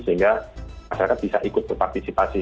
sehingga masyarakat bisa ikut berpartisipasi